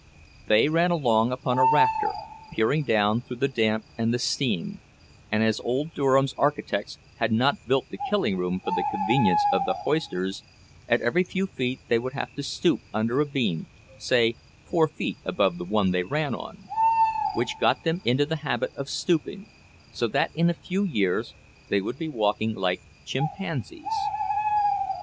They ran along upon a rafter, peering down through the damp and the steam; and as old Durham's architects had not built the killing room for the convenience of the hoisters, at every few feet they would have to stoop under a beam, say four feet above the one they ran on; which got them into the habit of stooping, so that in a few years they would be walking like chimpanzees.